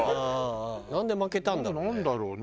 なんで負けたんだろうね。